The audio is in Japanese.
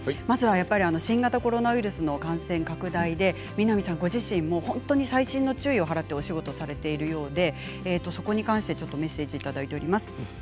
まずはやっぱり新型コロナウイルスの感染拡大で南さんご自身も本当に細心の注意を払ってお仕事をされているようでそこに関してメッセージをいただいています。